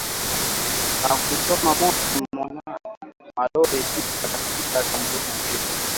na kuchoma moto malori sita katika shambulizi hilo